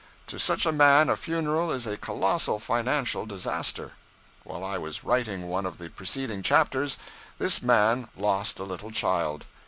To such a man a funeral is a colossal financial disaster. While I was writing one of the preceding chapters, this man lost a little child.